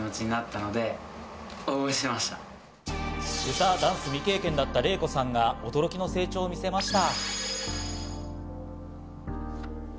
歌、ダンス未経験だったＲＥＩＫＯさんが驚きの成長を見せました。